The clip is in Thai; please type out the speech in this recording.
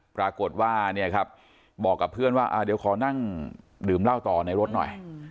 ปรากฏว่าเนี่ยครับบอกกับเพื่อนว่าเดี๋ยวขอนั่งดื่มเหล้าต่อในรถหน่อย